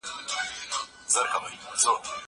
زه کولای سم مکتب ته لاړ شم؟!